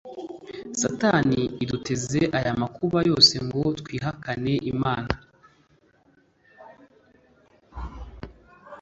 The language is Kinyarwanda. Satani iduteza aya makuba yose ngo twihakane imana